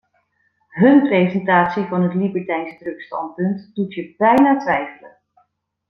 Hun presentatie van het libertijnse drugsstandpunt doet je bijna twijfelen.